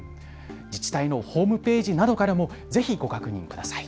自治体のホームページなどからもぜひご確認ください。